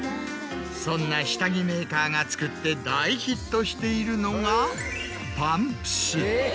そんな下着メーカーが作って大ヒットしているのが。